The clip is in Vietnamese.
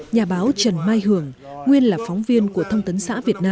nhà báo trần mai hưởng nguyên là phóng viên của thông tấn xã việt nam